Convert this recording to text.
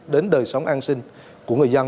đến đời sống an sinh của người dân